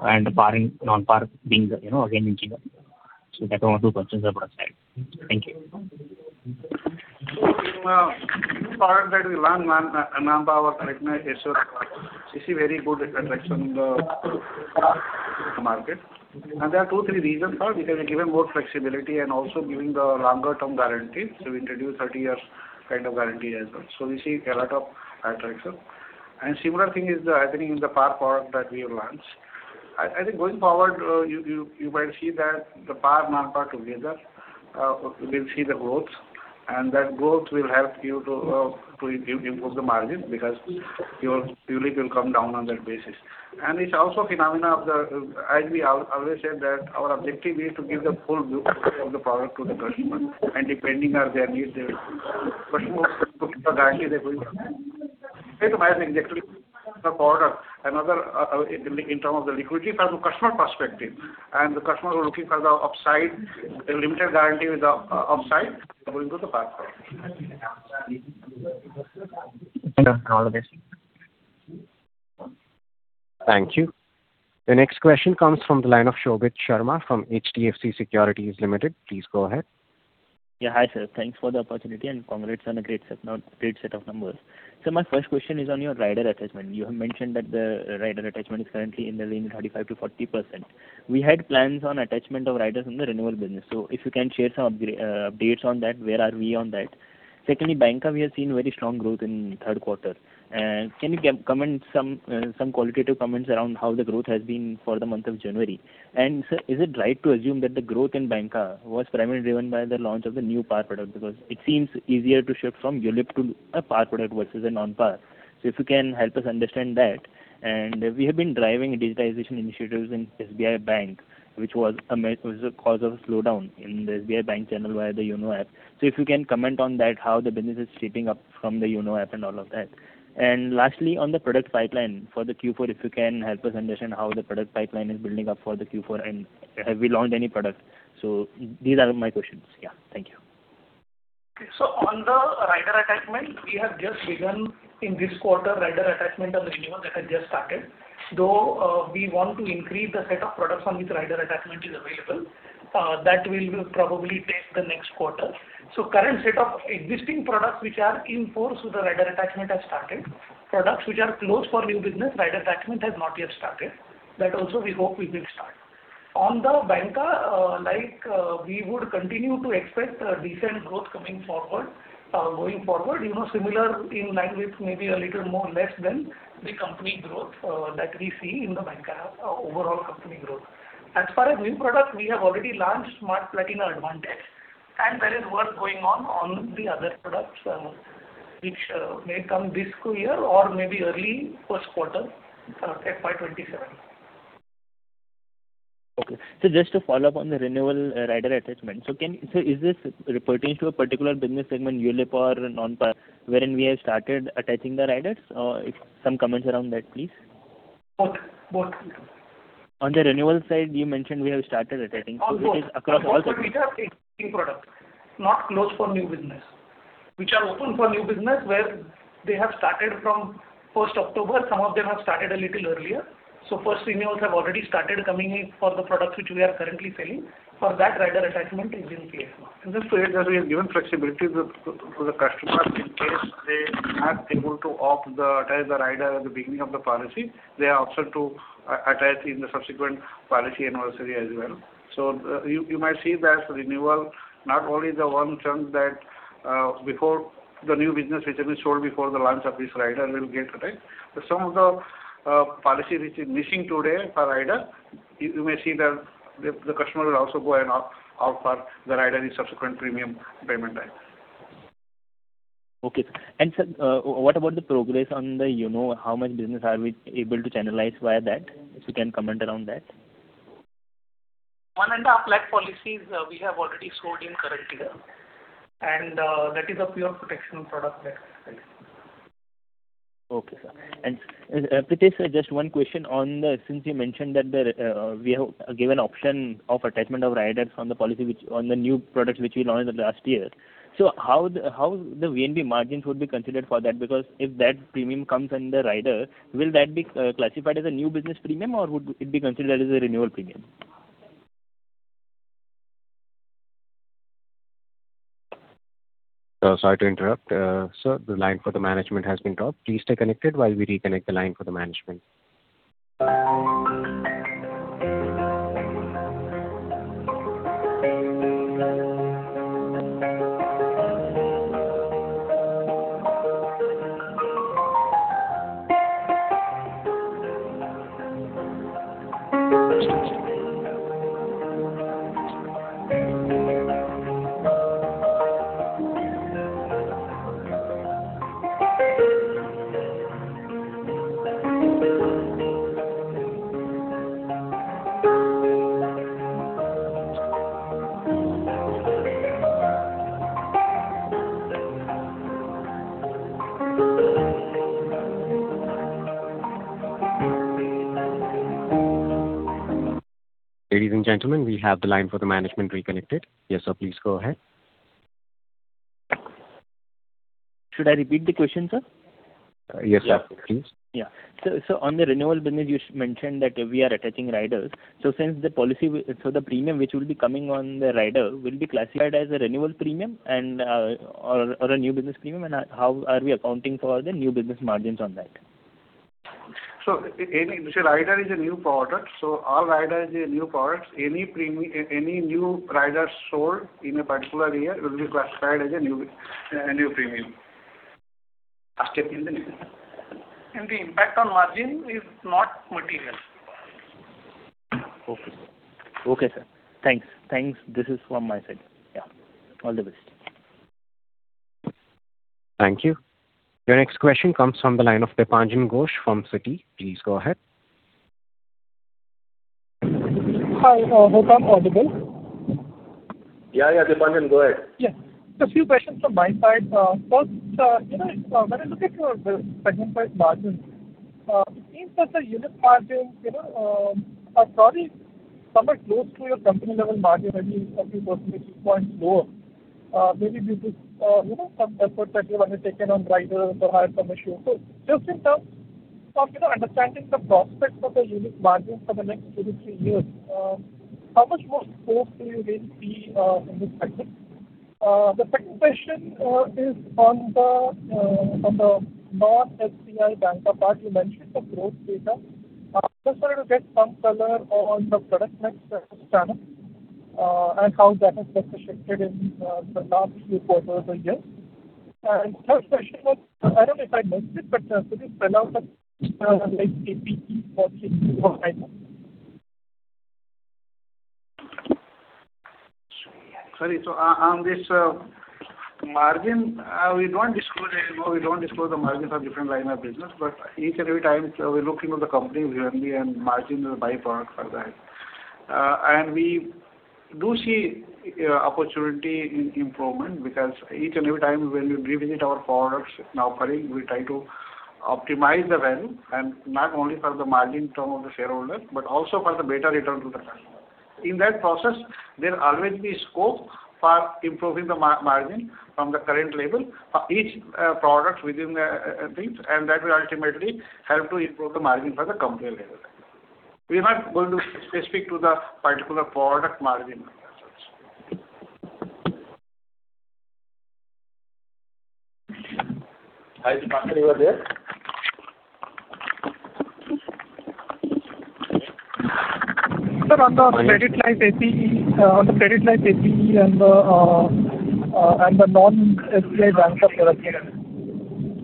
and the par and non-par being, you know, again, in zero. So that was two questions on our side. Thank you. So in product that we run, non-par, correct, yes, we see very good traction in the market. And there are two, three reasons for it. We have given more flexibility and also giving the longer term guarantee. So we introduce 30 years kind of guarantee as well. So we see a lot of traction. And similar thing is happening in the par product that we have launched. I think going forward, you might see that the par, non-par together, we'll see the growth, and that growth will help you to improve the margin, because your ULIP will come down on that basis. And it's also phenomena of the as we always said, that our objective is to give the full view of the product to the customer, and depending on their needs, the customer will look for the guarantee they're going to get exactly the product. Another, in terms of the liquidity from the customer perspective, and the customer looking for the upside, the limited guarantee with the upside, going to the par product. All the best. Thank you. The next question comes from the line of Shobhit Sharma from HDFC Securities Limited. Please go ahead. Yeah. Hi, sir. Thanks for the opportunity and congrats on a great set, now, great set of numbers. So my first question is on your rider attachment. You have mentioned that the rider attachment is currently in the range of 35%-40%. We had plans on attachment of riders in the renewal business. So if you can share some updates on that, where are we on that? Secondly, Bancassurance, we have seen very strong growth in third quarter. Can you comment some qualitative comments around how the growth has been for the month of January? And sir, is it right to assume that the growth in Bancassurance was primarily driven by the launch of the new Par product? Because it seems easier to shift from ULIP to a Par product versus a non-par. So if you can help us understand that. And we have been driving digitization initiatives in SBI Bank, which was a cause of a slowdown in the SBI Bank channel via the YONO app. So if you can comment on that, how the business is shaping up from the YONO app and all of that. And lastly, on the product pipeline for the Q4, if you can help us understand how the product pipeline is building up for the Q4, and have we launched any product? So these are my questions. Yeah, thank you. So on the rider attachment, we have just begun in this quarter, rider attachment on renewal that has just started, though, we want to increase the set of products on which rider attachment is available, that will probably take the next quarter. So current set of existing products which are in force with the rider attachment have started. Products which are closed for new business, rider attachment has not yet started. That also we hope we will start. On the banca, like, we would continue to expect a decent growth coming forward, going forward, you know, similar in line with maybe a little more less than the company growth, that we see in the banca, overall company growth. As far as new products, we have already launched Smart Platina Advantage, and there is work going on the other products, which may come this fiscal year or maybe early first quarter, FY 2027. Okay. So just to follow up on the renewal, rider attachment. So is this pertaining to a particular business segment, ULIP or non-par, wherein we have started attaching the riders? Or, if some comments around that, please. Both, both. On the renewal side, you mentioned we have started attaching- On both. So this is across all On both, we have 18 products, not closed for new business. Which are open for new business, where they have started from first October, some of them have started a little earlier. So first renewals have already started coming in for the products which we are currently selling. For that, rider attachment is in place. And just to add, we have given flexibility to the customer in case they are able to opt to attach the rider at the beginning of the policy, they are option to attach in the subsequent policy anniversary as well. So, you might see that renewal, not only the one term that before the new business, which has been sold before the launch of this rider will get attached. But some of the policy which is missing today for rider, you may see that the customer will also go and opt for the rider in subsequent premium payment ride. Okay. Sir, what about the progress on the YONO? How much business are we able to channelize via that? If you can comment around that. 150,000 policies, we have already sold in current year, and that is a pure protection product that we sell. Okay, sir. And, Prithesh, just one question on the, since you mentioned that we have a given option of attachment of riders on the policy which, on the new products which we launched in the last year. So how the VNB margins would be considered for that? Because if that premium comes in the rider, will that be classified as a new business premium, or would it be considered as a renewal premium? Sorry to interrupt. Sir, the line for the management has been dropped. Please stay connected while we reconnect the line for the management. Ladies and gentlemen, we have the line for the management reconnected. Yes, sir, please go ahead. Should I repeat the question, sir? Yes, sir, please. Yeah. So on the renewal business, you mentioned that we are attaching riders. So since the policy, the premium which will be coming on the rider will be classified as a renewal premium and or a new business premium, and how are we accounting for the new business margins on that? The rider is a new product, so all rider is a new product. Any new rider sold in a particular year will be classified as a new premium. The impact on margin is not material. Okay. Okay, sir. Thanks. Thanks. This is from my side. Yeah. All the best. Thank you. Your next question comes from the line of Dipanjan Ghosh from Citi. Please go ahead. Hi, hope I'm audible? Yeah, yeah, Dipanjan, go ahead. Yeah. Just a few questions from my side. First, you know, when I look at your segment by margin, it seems that the unit margin, you know, are probably somewhat close to your company level margin, maybe a few percentage points lower, maybe due to, you know, some effort that you might have taken on rider or the higher commission. So just in terms of, you know, understanding the prospects of the unit margin for the next two to three years, how much more scope do you really see, in this segment? The second question, is on the, on the non-SBI banca part, you mentioned the growth data. I just wanted to get some color on the product mix in this channel, and how that has participated in, the last few quarters of the year. Third question was, I don't know if I missed it, but could you spell out the, like, APE for this quarter? Sorry. So on this margin, we don't disclose it. No, we don't disclose the margins of different line of business, but each and every time, we look into the company VNB and margin is a by-product for that. And we do see opportunity in improvement, because each and every time when we revisit our products now offering, we try to optimize the value and not only for the margin term of the shareholder, but also for the better return to the customer. In that process, there will always be scope for improving the margin from the current level for each product within the things, and that will ultimately help to improve the margin for the company level. We are not going to be specific to the particular product margin. Hi, Pankaj, you are there? Sir, on the credit life APE, on the credit life APE and the, and the non-SBI bank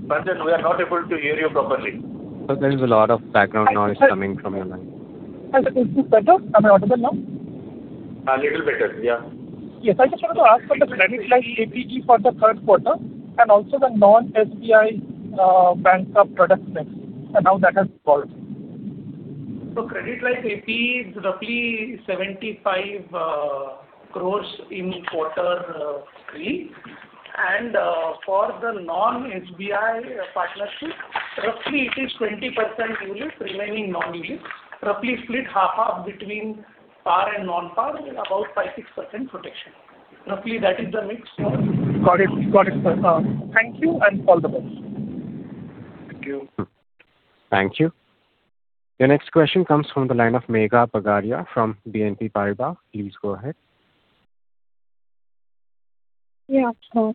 Pankaj, we are not able to hear you properly. Sir, there is a lot of background noise coming from your line. Is it better? Am I audible now? A little better. Yeah. Yes, I just wanted to ask on the credit life APE for the third quarter and also the non-SBI bancassurance product mix, and how that has evolved. Credit Life APE is roughly 75 crore in quarter three. For the non-SBI partnership, roughly it is 20% unit, remaining non-unit. Roughly split 50/50 between par and non-par, about 5%-6% protection. Roughly that is the mix. Got it. Got it. Thank you, and all the best. Thank you. Thank you. The next question comes from the line of Megha Bagaria from BNP Paribas. Please go ahead. Yeah, sure.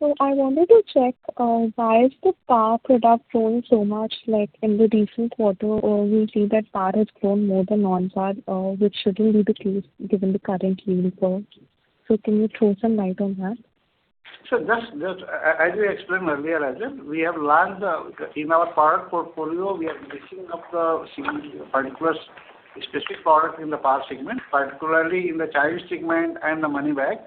So I wanted to check why is the par product growing so much, like in the recent quarter, or we see that par has grown more than non-par, which shouldn't be the case given the current yield for it. So can you throw some light on that? So just as we explained earlier, as in, we have launched in our product portfolio, we are mixing up the specific, particular, specific product in the Par segment, particularly in the child segment and the money back,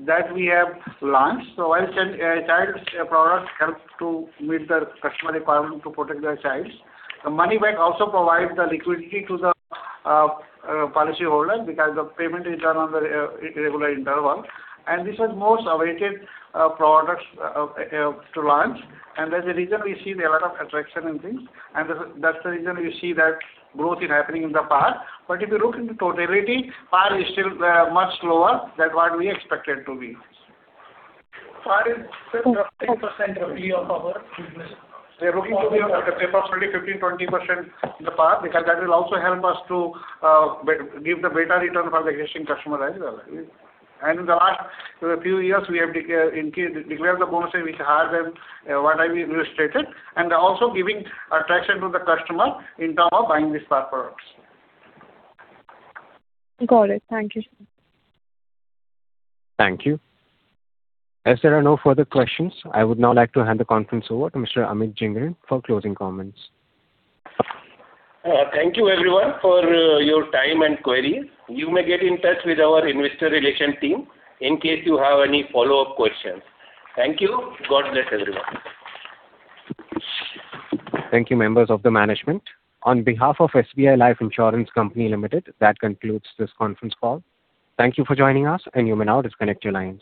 that we have launched. So while child child product help to meet the customer requirement to protect their children, the money back also provides the liquidity to the policyholder, because the payment is done on the regular interval. And this is most awaited products to launch. And that's the reason we see a lot of traction and things, and that's the reason we see that growth is happening in the Par. But if you look in the totality, Par is still much lower than what we expected to be. Par is 10-15% roughly of our business. We are looking to be approximately 15%-20% in the par, because that will also help us to give the better return for the existing customer as well. And in the last few years, we have declared, increased the bonus, which are higher than what we illustrated, and they're also giving traction to the customer in terms of buying these par products. Got it. Thank you, sir. Thank you. As there are no further questions, I would now like to hand the conference over to Mr. Amit Jhingran for closing comments. Thank you everyone for your time and query. You may get in touch with our Investor Relations team in case you have any follow-up questions. Thank you. God bless everyone. Thank you, members of the management. On behalf of SBI Life Insurance Company Limited, that concludes this conference call. Thank you for joining us, and you may now disconnect your lines.